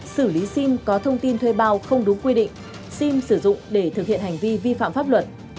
xử lý sim có thông tin thuê bao không đúng quy định xin sử dụng để thực hiện hành vi vi phạm pháp luật